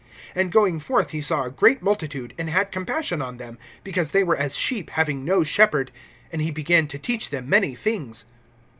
(34)And going forth he saw a great multitude, and had compassion on them, because they were as sheep having no shepherd; and he began to teach them many things.